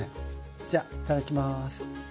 じゃあいただきます。